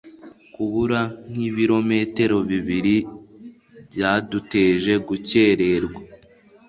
Kubura nkibirometero bibiri byaduteje gukererwa